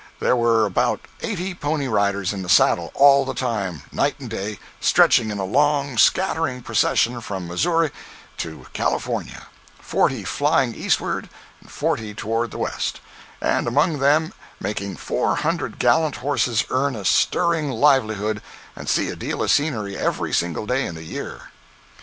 There were about eighty pony riders in the saddle all the time, night and day, stretching in a long, scattering procession from Missouri to California, forty flying eastward, and forty toward the west, and among them making four hundred gallant horses earn a stirring livelihood and see a deal of scenery every single day in the year.